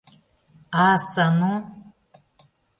А, Сану!